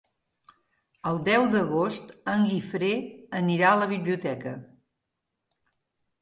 El deu d'agost en Guifré anirà a la biblioteca.